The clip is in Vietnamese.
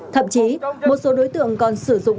thậm chí một số đối tượng còn sử dụng